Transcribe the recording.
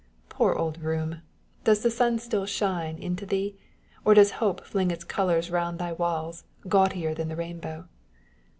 Poor old room ! Does the sun still shine into thee, or does Hope fling its colours round thy walls, gaudier than the rainbow